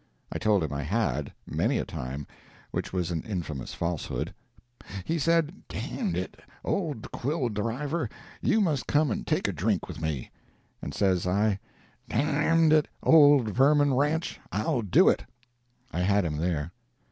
I told him I had—many a time—which was an infamous falsehood. He said "D—n it, old Quill driver you must come and take a drink with me"; and says I, "D—n it, old Vermin ranch, I'll do it." [I had him there.